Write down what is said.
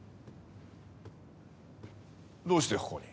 どうしてここに？